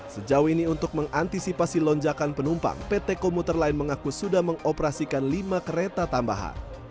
sejauh ini untuk mengantisipasi lonjakan penumpang pt komuter lain mengaku sudah mengoperasikan lima kereta tambahan